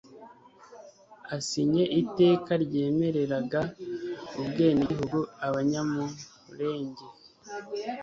asinye iteka ryemereraga ubwenegihugu Abanyamulenge,